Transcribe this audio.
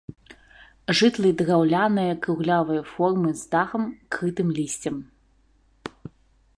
Жытлы драўляныя круглявай формы з дахам, крытым лісцем.